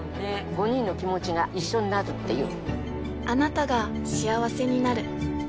５人の気持ちが一緒になるっていう。